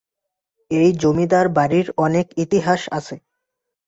এই জমিদার বাড়ির অনেক ইতিহাস আছে।